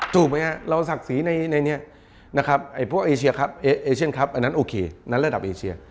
ถูกไหมครับเราศักดิ์ศรีในนี้นะครับพวกเอเชียครับเอเชียนครับอันนั้นโอเคนั้นระดับเอเชีย